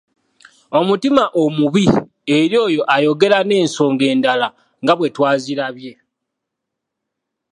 Omutima omubi eri oyo ayogera n’ensonga endala nga bwe twazirabye.